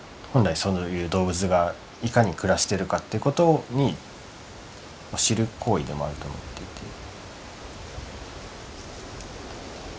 本来そういう動物がいかに暮らしてるかっていうことに知る行為でもあると思っていて。